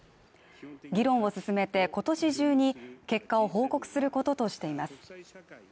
議論を進めて今年中に結果を報告することとしています